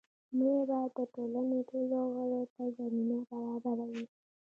لومړی باید د ټولنې ټولو غړو ته زمینه برابره وي.